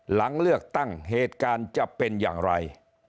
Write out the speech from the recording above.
หลังเลือกตั้งเหตุการณ์จะเป็นอย่างไร